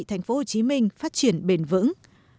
thành phố hồ chí minh phát triển bền vững